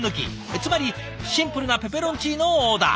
つまりシンプルなペペロンチーノをオーダー。